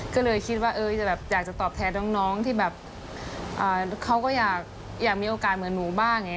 ก็เลยคิดว่าอยากจะตอบแทนน้องที่แบบเขาก็อยากมีโอกาสเหมือนหนูบ้าง